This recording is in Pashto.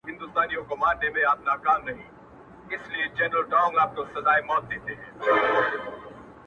ها ښکلې که هر څومره ما وغواړي ـ